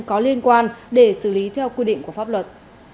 có liên quan để xử lý theo quy định của pháp luật